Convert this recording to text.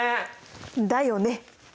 だよね。